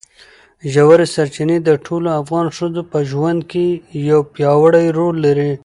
ژورې سرچینې د ټولو افغان ښځو په ژوند کې یو پیاوړی رول لري.